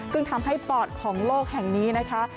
ซึ่งทำให้ปอดของโลกแห่งนี้นะคะ